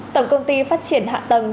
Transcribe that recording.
tổng công ty phát triển hạ tầng